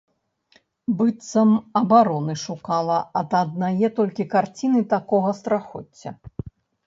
Быццам абароны шукала ад аднае толькі карціны такога страхоцця.